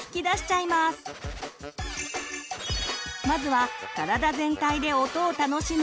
まずは体全体で音を楽しむ